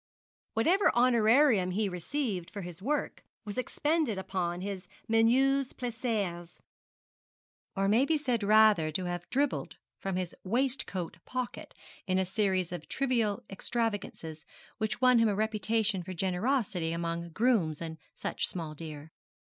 Whatever honorarium he received for his work was expended upon his menus plaisirs or may be said rather to have dribbled from his waistcoat pocket in a series of trivial extravagances which won him a reputation for generosity among grooms and such small deer.